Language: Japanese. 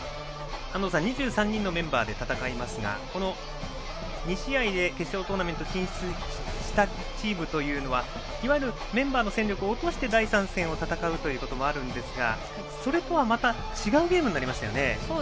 安藤さん２３人のメンバーで戦いますがこの２試合で決勝トーナメント進出したチームというのはいわゆるメンバーの戦力を落として第３戦を戦うこともあるんですがそれとはまた違うゲームになりましたよね。